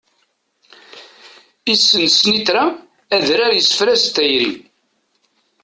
Issen snitra, adrar, isefra d tayri.